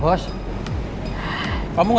tidak ada gunanya